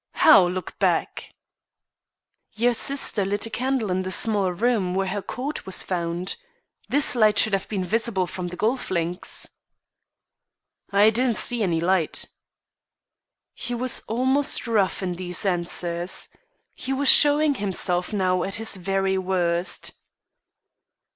"How, look back?" "Your sister lit a candle in the small room where her coat was found. This light should have been visible from the golf links." "I didn't see any light." He was almost rough in these answers. He was showing himself now at his very worst.